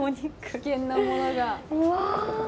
危険なものが！うわ。